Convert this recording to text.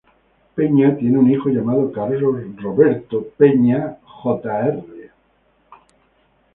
Peña tiene un hijo llamado Carlos Roberto Peña Jr.